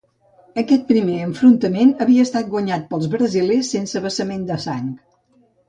Aquest primer enfrontament havia estat guanyat pels brasilers sense vessament de sang.